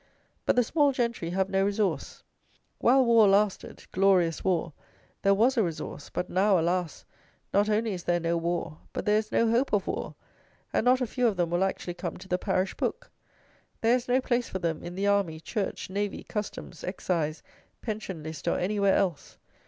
But the small gentry have no resource. While war lasted, "glorious war," there was a resource; but now, alas! not only is there no war, but there is no hope of war; and not a few of them will actually come to the parish book. There is no place for them in the army, church, navy, customs, excise, pension list, or anywhere else.